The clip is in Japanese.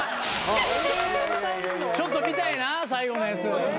ちょっと見たいな最後のやつ。